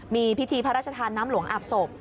มีพิธีพระราชทานน้ำหลวงอาบศพ